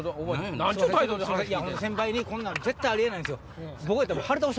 先輩にこんなん絶対あり得ないんすよ。